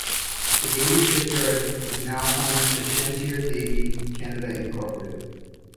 The Davie Shipyard is now home to Chantier Davie Canada Incorporated.